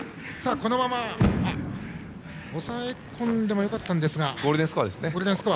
このまま押さえ込んでもよかったんですがゴールデンスコア。